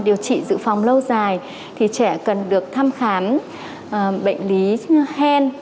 về điều trị giữ phòng lâu dài thì trẻ cần được thăm khám bệnh lý hen